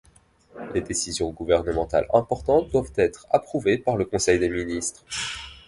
Les décisions gouvernementales importantes doivent être approuvées par le Conseil des ministres.